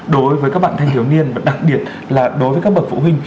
đối với các bạn thanh thiếu niên và đặc biệt là đối với các bậc phụ huynh